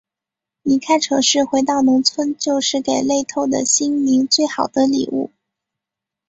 离开城市，回到农村，就是给累透的心灵最好的礼物。